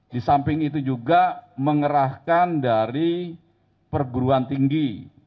di samping itu juga mengerahkan dari perguruan tinggi